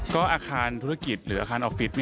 ก็อาคารธุรกิจหรืออาคารออฟฟิศ